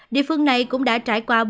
địa phương này cũng đã trải qua